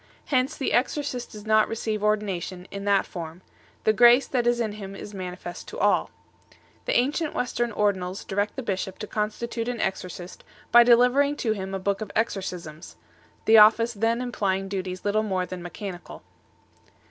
Hence the exorcist does not receive ordination in that form; the grace that is in him is manifest to all 8 . The ancient Western ordinals direct the bishop to constitute an exorcist by delivering to him a book of exorcisms 9 the office then implying duties little more than mechanical.